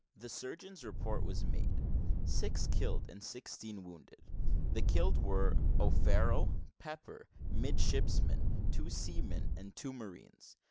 The surgeon's report was made six killed and sixteen wounded. The killed were, O'Farrel and Pepper, midshipmen, two seamen, and two marines.